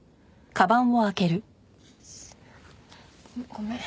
ごめん。